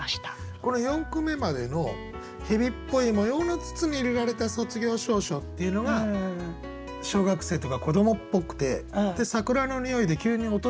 これ四句目までの「蛇っぽい模様の筒に入れられた卒業証書」っていうのが小学生とか子どもっぽくて「桜の匂い」で急に大人びた